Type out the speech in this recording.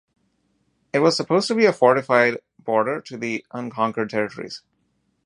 It was supposed to be a fortified border to the unconquered territories.